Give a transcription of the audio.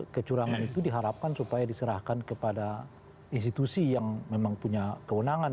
kecurangan itu diharapkan supaya diserahkan kepada institusi yang memang punya kewenangan